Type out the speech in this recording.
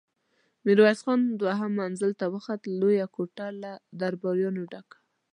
ميرويس خان دوهم منزل ته وخوت، لويه کوټه له درباريانو ډکه وه.